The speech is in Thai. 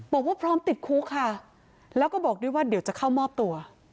บอกว่าพร้อมติดคุกค่ะแล้วก็บอกด้วยว่าเดี๋ยวจะเข้ามอบตัว